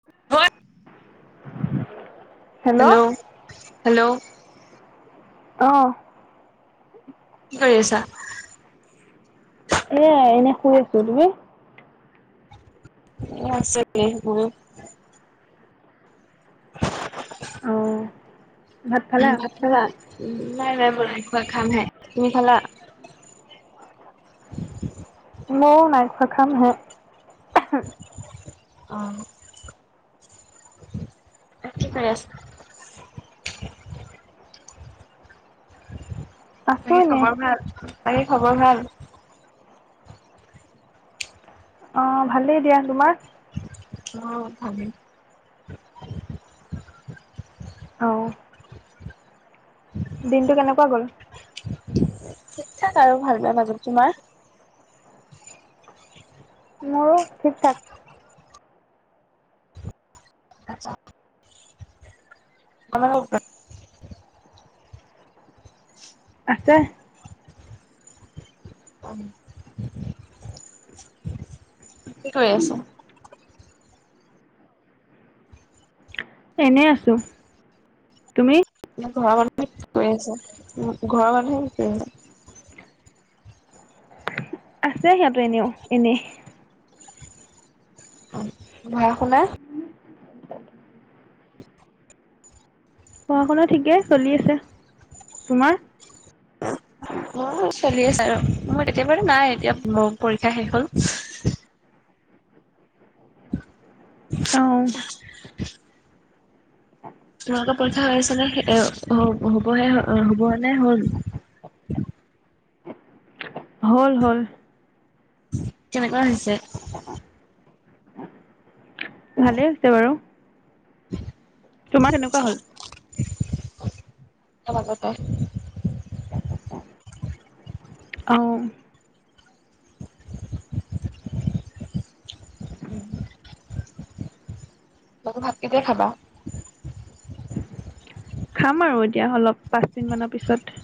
[unintelligible] [unintelligible] Hello hello. অহ', কি কৰি আছা? এয়াই এনে শুই আছো তুমি? অ, আছোঁ দে মইও। অ [unintelligible] উম, ভাত খালা উম, নাই-নাই মই নাই খোৱা খামহে তুমি খালা? ময়ো নাই খোৱা খাম হে। [unintelligible] অহ', ইয়াত কি কৰি আছা? আছো তাকে এনে খবৰ ভাল -তাকে খবৰ ভাল? অহ, ভালেই দিয়া তোমাৰ? অ, ভাবিম। অ', দিনটো কেনেকুৱা গ'ল? ঠিক ঠাক আৰু ভাল, বেয়াৰ মাজত। তোমাৰ? মোৰো ঠিক ঠাক। আচ্ছা, [unintelligible] আছে। কি কৰি আছ? এনেই আছোঁ। তুমি? ঘৰৰ মানুহে কি কৰি আছে? ঘৰৰ মানুহে কি কৰি আছে? আছে সিহঁতো এনেও, এনেই। উম, পঢ়া শুনা? পঢ়া শুনা ঠিকেই চলি আছে। তোমাৰ? অ', মোৰ চলি আছে আৰু। মই তেতিয়া বাৰু নাই এতিয়া মোৰ পৰীক্ষা শেষ হ'ল। অ তোমোলোকৰ পৰীক্ষা হৈ আছে নে, হ'ব-হ'বহে-হ'বনে হ'ল? হ'ল, হ'ল। কেনেকুৱা হৈছে? ভালে হৈছে বাৰু। তোমাৰ কেনেকুৱা হ'ল? [unintelligible] অ উম। [unintelligible] ভাত কেতিয়া খাবা? খাম আৰু এতিয়া অলপ পাঁচ মিনিট মানৰ পিছত।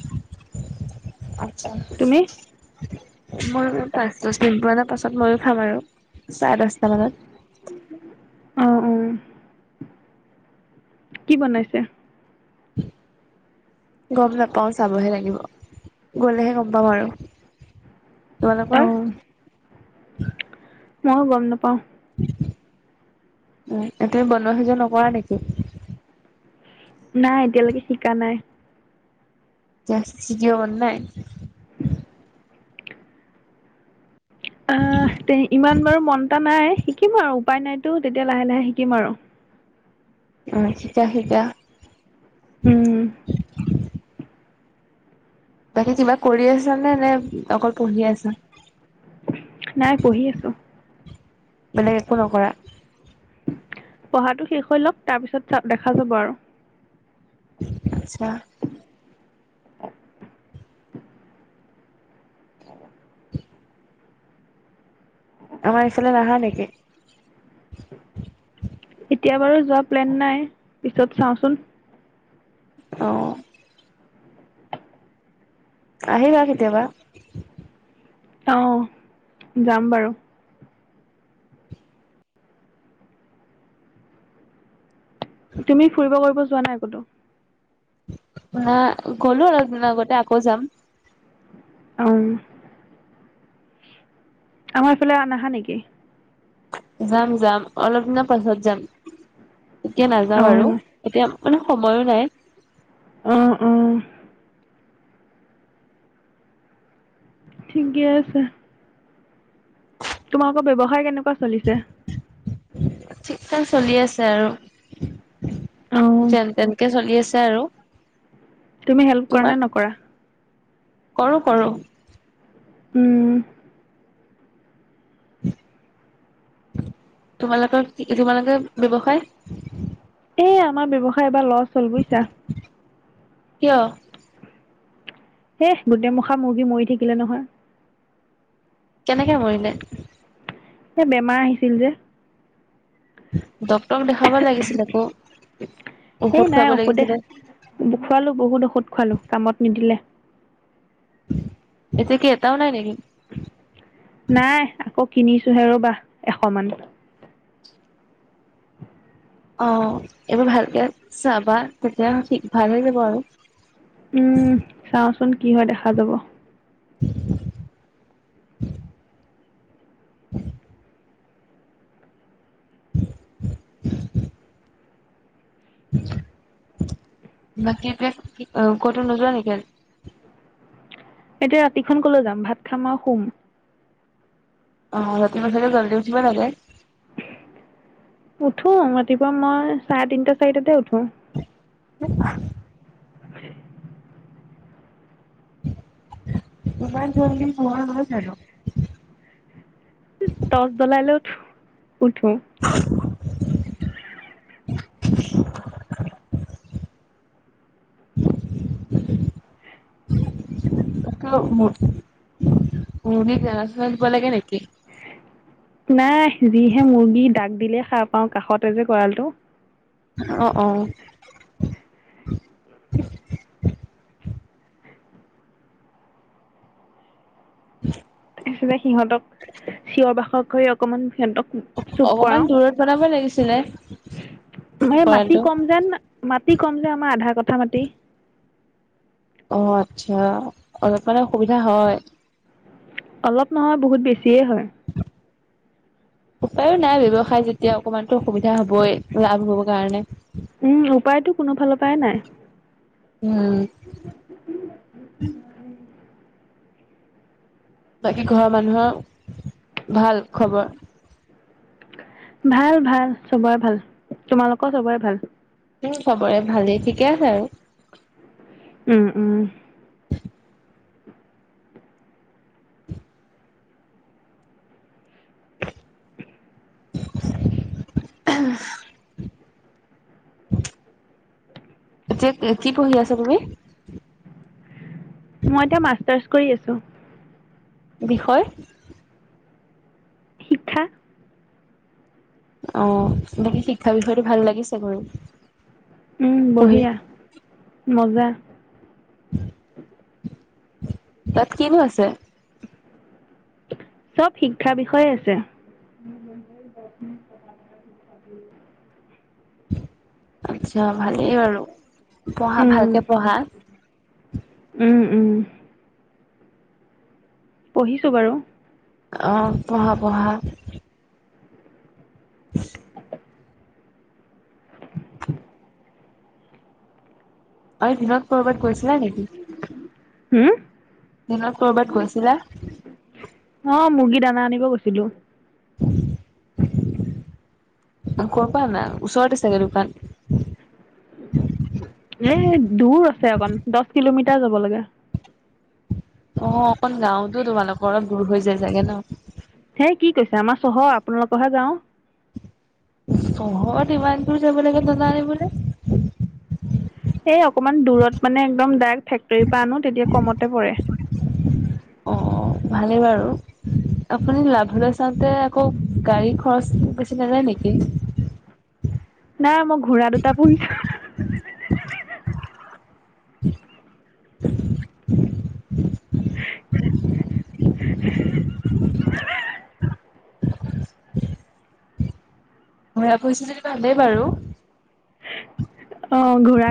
আটছা। তুমি মই পাঁচ দহ মিনিট মানৰ পাছত ময়ো খাম আৰু চাৰে দহটা মানত। আহ, অ'। কি বনাইছে? গম নাপাও, চাবহে লাগিব গলেহে গম পাম আৰু। তোমালোকৰ? অ' ময়ো গম নাপাও। তুমি বনোৱা সিজোৱা নকৰা নিকি? নাই, এতিয়ালৈকে শিকা নাই। জাষ্ট শিকিব মন নাই? আহ তে ইমান বাৰু মন এটা নাই, শিকিম আৰু। উপায় নাইতো তেতিয়া লাহে লাহে শিকিম আৰু। অ' শিকা শিকা। উম। বাকী কিবা কৰি আছা নে? নে অকল পঢ়িয়ে আছা? নাই পঢ়ি আছো বেলেগ একো নকৰা। পঢ়াটো শেষ হৈ লওক তাৰ পিছত দেখা যাব আৰু। আচ্ছা। অ আমাৰ ইফালে নহা নেকি? এতিয়া বাৰু যোৱা প্লেন নাই। পিছত চাওঁচোন? আহ। আহ আহিবা কেতিয়াবা। অ যাম বাৰু। তুমি ফুৰিব কৰিব যোৱা নাই কণটো। ন গ'লো অলপ দিনৰ আগতে আকৌ যাম। উম। আমাৰ ইফালে আ নাহা নেকি? যাম, যাম, অলপ দিনৰ পাছত যাম এতিয়া নাযাও আৰু অঁ এতিয়া। মানে সময়ো নাই। উম, উম। ঠিকে আছে। তোমালোকৰ ব্যৱসায় কেনেকুৱা চলিছে। ঠিক থাক চলি আছে আৰু অঁ যেন তেনেকে চলি আছে। [unintelligible] তুমি হেল্প কৰা তোমাৰ নে নকৰা। কৰো, কৰো। উম। তোমালোকৰ কি তোমালোকৰ ব্যৱসায়। এই আমাৰ ব্যৱসায় এবাৰ লছ হ'ল বুজিছা। কিয়? হেই গোটেই মুখা মুৰ্গী মৰি থাকিলে নহয়। কেনেকে মৰিলে। এ বেমাৰ আহিছিল যে। ডক্তৰক দেখাবা লাগিছিল আকৌ। এ ঔষধ খুৱাব নাই ঔষধে লাগিছিলে খোৱালো বহুত ঔষধ খোৱালো কামত নিদিলে। এতিয়া কি এটাও নাই নেকি? নাই আকৌ কিনিছোহে ৰ'বাহ এশ মান। অ' এইবাৰ ভালকে চাবা তেতিয়াঠিক ভাল হৈ যাব, আৰু উম, চাওচোন কি হয় দেখা যাব। [unintelligible] বাকী এতিয়া ক'তো নোযোৱা নেকি? এতিয়া ৰাতিখন কলৈ যাম। ভাত খাম আৰু সুম। অ ৰাতিপুৱা চাগে জলদি উঠিব লাগে। উঠো ৰাতিপুৱা মই চাৰে তিনটা চাৰিটাতে উঠো। [unintelligible] [unintelligible] ইমান জ্বলদি পোহৰ হয় জানো। টচ জ্বলাই লৈ উঠো উঠো। [unintelligible] মূগীক দান চানা দিব লাগে নেকি? নাই যিহে মুৰ্গী দাগ দিলেই খাৰ পাওঁ, কাষতে যে গঁড়লটো। অ' অ'। [unintelligible] চবে সিহঁতক চিঞৰ বাসৰ কৰি অকমান সিহঁতক। চুপ কৰাও অকমান দূৰত বনাব লাগিছিলে। ম মাটি গঁৰালটো কম যেন মাটি কম যেন আমাৰ আধা কথা মাটি অ, আচ্ছা অলপ মানে অসুবিধা হয়। অলপ নহয় বহুত বেছিয়ে হয়। উম, উপায়ো নাই ব্যৱসায় যেতিয়া অকমানতো অসুবিধা হবই লাভ হ'ব কাৰণে। উম, উপায়তো কোনো ফালৰ পৰাই নাই। উম, উম, বাকী ঘৰৰ মানুহৰ ভাল খবৰ। ভাল - ভাল চবৰে ভাল তোমালোকৰ চবৰে ভাল। চবৰে ভালেই ঠিকে আছে আৰু। উম - উম। উম। যে কি পঢহি আছা তুমি মই এতিয়া মাষ্টাৰছ কৰি আছো। বিষয় শিক্ষা অ, বাকী শিক্ষা বিষয়টো ভাল লাগিছে ঘৰু উম, বঢ়িয়া মজা। তাত কিন আছে। চব শিক্ষাৰ বিষয়ে আছে। [inaudible] আচ্ছা ভালেই বাৰু। পঢ়া উম ভালকে পঢ়া। উম উম, পুহিছো বাৰু। অ, পহা - পহা। [inaudible] [inaudible] অই দিনত ক'ৰবাত গৈছিলা নেকি? হুম দিনত কৰ'বাত গৈছিলা অ, মুৰ্গী দানা আনিব গৈছিলো। [inaudible] ক'পা আনা ওচৰতে চাগে দোকান? য়া যাব লাগে। অ, অকন গাওতো তোমালোকৰ, দূৰ হৈ যায় চাগে ন? ধেই কি কৈছে আমাৰ চহ, আপোনালোকহে গাও। চহৰত ইমান দূৰ যাব লাগে দানা আনিবলে। এই অকমান দূৰত মানে, একদম ডায়েক্ট ফেক্টয়ী পা আনো তেতিয়া কমতে পৰে। অ, ভালেই বাৰু। আপুনি লাভলৈ চাওতে আকৌ গাড়ী খৰচ বেছি নযায় নেকি? [inaudible] নাই মই ঘোৰা দুটা পুহিছো। [unintelligible] [unintelligible] [unintelligible] ঘোৰা পুহিছে যদি ভালেই বাৰু। অ ঘোঁৰা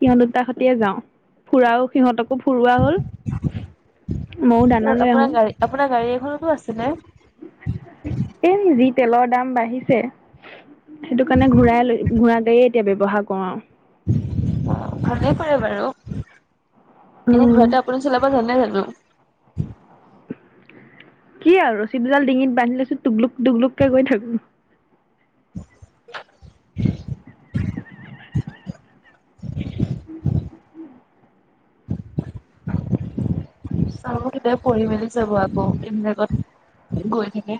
সিহত দুটা সতিয়ে যাও। ফুৰাও সিহতকো ফুৰোৱা হ'ল। ময়ো দানালৈ আপোনাৰ আহো। গাড়ী আপোনাৰ গাড়ী এখনতো আছিলে অ তেলৰ দাম বাঢ়িছে, সেইটো কাৰণে ঘূৰাই লৈ ঘোৰাগাড়ীয়ে এতিয়া ব্যৱহাৰ কৰো আউ তেনেকোৱাই বাৰু। এনে উম ঘৰতে আপুনি চলাব জানে জানো? অ [unintelligible] কি আৰু ৰচী দুডাল ডিঙিত বান্ধি লৈছোঁ টুগলুক-টুগলুকে গৈ থাকোঁ [unintelligible] [inaudible] চাব কেতিয়াবা পঢ়ি মেলি চাব আকৌ এইবিলাকত, গৈ থাকে।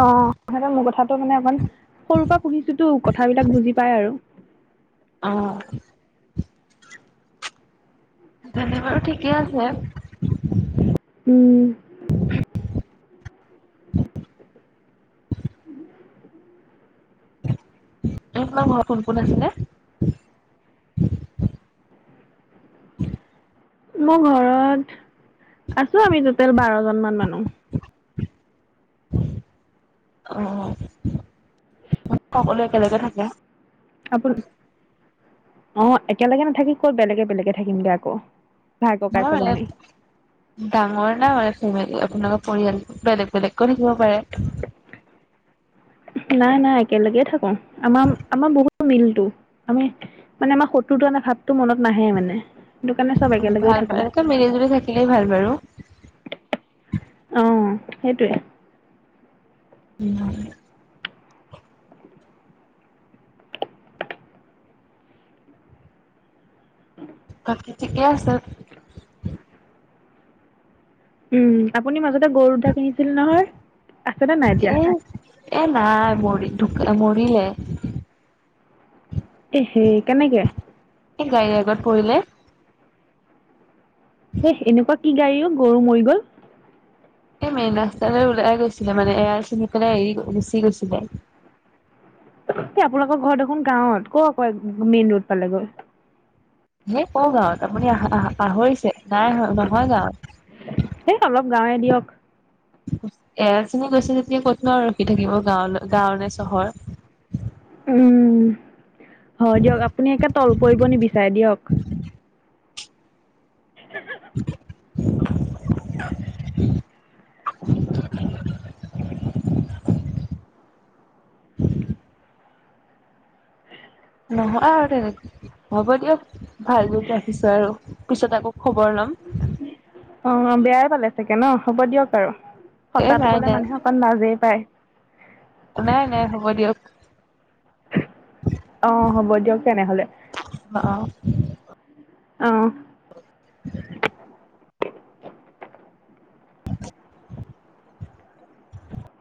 অ, সেহেতে মোৰ কথাটো মানে অকমান, সৰুকে সুনিছোতো কথাবিলাক বুজি পায় আৰু অ'। তেন্তে বাৰু ঠিকে আছে। উম। [unintelligible] কোন কোন আছিলে? [inaudible] মোৰ ঘৰত, আছোঁ আমি টো'টেল বাৰজন মান মানুহ। অ, সকলো একেলগে থাকে? আপোন অ, একেলেগে নাথাকি ক'ত বেলেগে, বেলেগে থাকিমগে আকৌ। [unintelligible] ভাই ককাই [unintelligible] চব আমি। পৰিয়ালটো বেলেগ বেলেগকো থকিব পাৰে। নাই, নাই একেলেগে থাকোঁ। আমাম আমাম বহুত মিলটো আমি মানে আমাৰ শ টোতোন ভাৱটো মনত নাহে মানে। সেইটো কাৰণে চব একেলগেই ভাল, বা থাকো। এনেকে মিলি জুলি থাকিলেই ভাল বাৰু। অ, সেইটোৱে। উম। ঠিকেই আছে। উম, আপুনি মাজতে গৰু দুটা কিনিছিল নহয়? আছেনে নাই এতিয়া? এ এ নাই মৰি ঢুকা মৰিলে। এ সে কেনেকে? এই গাড়ীৰ আগত পৰিলে। এহ এনেকুৱা কি গাড়ীও গৰু মৰি গল? এই মেই ৰাস্তালৈ ওলাই গৈছিলে মানে এৰাই চিনি পেলাই এৰি গুচি গৈছিলে। এই আপোনালোকৰ ঘৰত দেখোন গাঁৱত কত আকো মেইন ৰোড পালেগৈ? হেই ক গাঁৱত আপুনি আহ, আহ পাহৰিছে নাই নহয় গাঁৱত। সেই অলপ গাঁৱে দিয়ক। এৰাজনী গৈছে যেতিয়া কোত ন আৰু ৰখি থাকিব গাঁৱলৈ গাঁও নে চহৰ। উম হয় দিয়ক আপুনি একে তল পৰিব নিবিচাৰে দিয়ক। [inaudible] [inaudible] উ [inaudible] নহয় আৰু তেনেকে হ'ব দিয়ক ভাল যদি ৰাখিছো আৰু পিছত আকৌ খবৰ লম। উ [inaudible] অ বেয়াই পালে চাগে ন হ'ব দিয়ক আৰু এ সঁচাটো নাই কলে মানুহে নাই অকণ লাজেই পায়। নাই নাই হ'ব দিয়ক। অ হ'ব দিয়ক তেনেহলে। অ অ আহ। [inaudible] [inaudible]